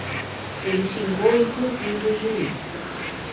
Ele xingou inclusive o juiz